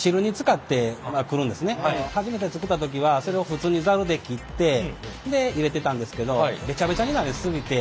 初めて作った時はそれを普通にザルで切ってで入れてたんですけどベチャベチャになり過ぎて。